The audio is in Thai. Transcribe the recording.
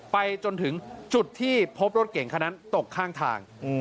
ไปจนถึงจุดที่พบรถเก่งคนนั้นตกข้างทาง